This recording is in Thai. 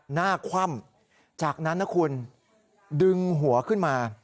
คว่ำจากนั้นนะคุณดึงหัวขึ้นมา